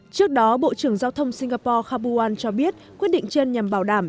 trước đó bộ trưởng giao thông singapore khabuan cho biết quyết định trên nhằm bảo đảm